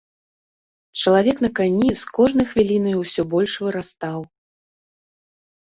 Чалавек на кані з кожнай хвілінай усё больш вырастаў.